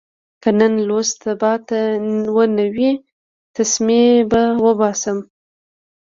که نن لوست سبا ته ونه وي، تسمې به اوباسم.